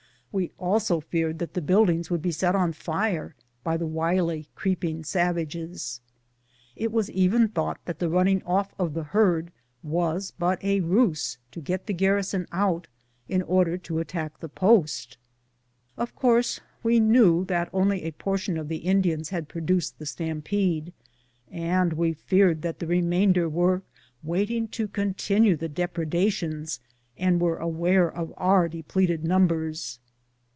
"We also feared that the buildings would be set on fire by the wily, creeping savages. It was even thought that the running off of the herd was but a ruse to get the gar rison out, in order to attack the post. Of course we knew that only a portion of the Indians had produced the stampede, and we feared that the remainder were waiting to continue the depredations, and were aware of our depleted numbers.